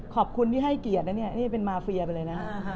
ขอบคุณที่ให้เกียรตินะเนี่ยนี่เป็นมาเฟียไปเลยนะ